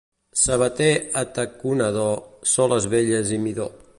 Sabater ataconador, soles velles i midó.